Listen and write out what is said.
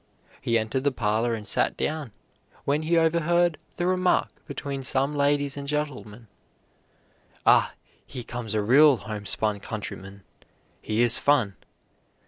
He entered the parlor and sat down, when he overheard the remark between some ladies and gentlemen: "Ah, here comes a real homespun countryman. Here's fun."